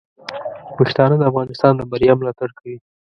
پښتانه د افغانستان د بریا ملاتړ کوي.